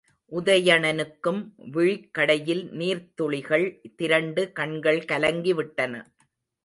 உதயணனுக்கும் விழிக் கடையில் நீர்த்துளிகள் திரண்டு கண்கள் கலங்கிவிட்டன.